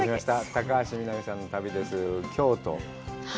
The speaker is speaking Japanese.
高橋みなみさんの旅です。